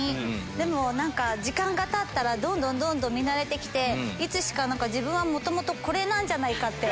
でも時間がたったらどんどん見慣れて来ていつしか自分は元々これなんじゃないかって。